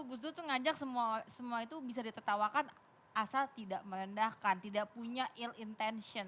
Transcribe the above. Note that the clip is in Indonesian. kita ngajak semua itu bisa ditertawakan asal tidak merendahkan tidak punya ill intention